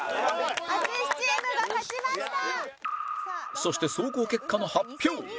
そして総合結果の発表